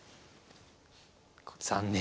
残念。